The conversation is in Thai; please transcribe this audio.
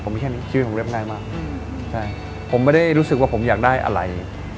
ผมไม่ใช่ชีวิตผมเรียบง่ายมากใช่ผมไม่ได้รู้สึกว่าผมอยากได้อะไร